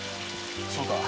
そうか。